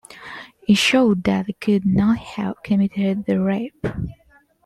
It showed that he could not have committed the rape.